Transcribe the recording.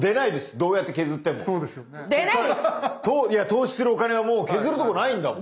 どうやって削っても投資するお金はもう削るところないんだもん。